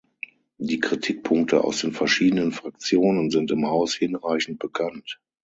Die Kritikpunkte aus den verschiedenen Fraktionen sind im Haus hinreichend bekannt.